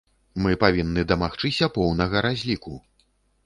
Мы павінны дамагчыся поўнага разліку.